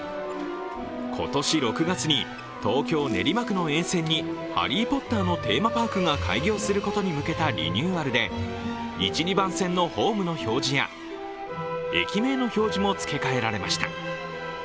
今年６月に東京・練馬区の沿線に「ハリー・ポッター」のテーマパークが開業することに向けたリニューアルで、１・２番線のホームの表示や駅名の表示も付け替えられました。